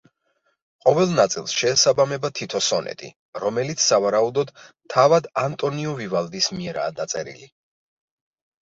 ყოველ ნაწილს შეესაბამება თითო სონეტი, რომელიც, სავარაუდოდ, თავად ანტონიო ვივალდის მიერაა დაწერილი.